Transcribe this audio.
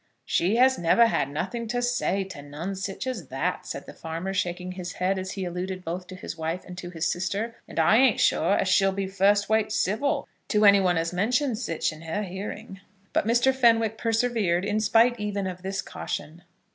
"She has never had nothing to say to none sich as that," said the farmer, shaking his head, as he alluded both to his wife and to his sister; "and I ain't sure as she'll be first rate civil to any one as mentions sich in her hearing." But Mr. Fenwick persevered, in spite even of this caution.